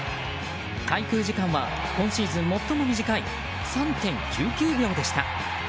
滞空時間は今シーズン最も短い３．９９秒でした。